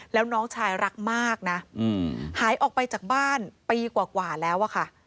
แล้วน้องชายรักมากนะหายออกไปจากบ้านปีกว่าแล้วอะค่ะ